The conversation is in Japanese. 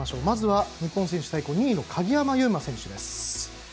まずは日本選手最高２位の鍵山優真選手です。